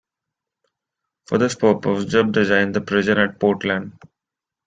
For this purpose Jebb designed the prison at Portland.